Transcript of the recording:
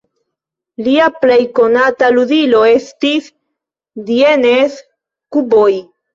Lia plej konata ludilo estis "Dienes-kuboj".